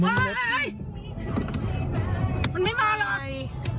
มันไม่มาเลย